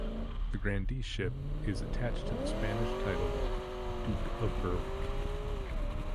The Grandeeship is attached to the Spanish title of Duke of Berwick.